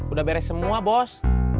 udah beres semua bos